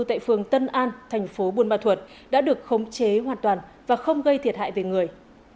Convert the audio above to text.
tại phường tân an thành phố buôn ma thuật đã được khống chế hoàn toàn và không gây thiệt hại về người